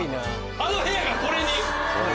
あの部屋がこれに？